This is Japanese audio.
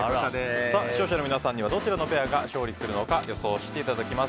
視聴者の皆さんにはどちらのペアが勝利するのか予想していただきます。